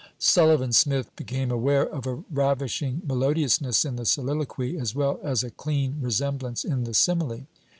Sullivan Smith became aware of a ravishing melodiousness in the soliloquy, as well as a clean resemblance in the simile.